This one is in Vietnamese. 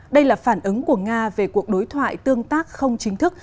đây là phản ứng của nga về cuộc đối thoại tương tác không chính thức